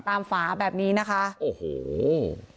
ฝาแบบนี้นะคะโอ้โห